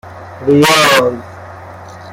ریاض